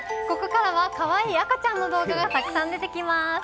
ここからはかわいい赤ちゃんの動画がたくさん出てきます。